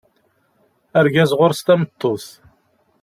Argaz ɣur-s tameṭṭut.